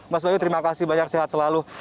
mas bayu terima kasih banyak sehat selalu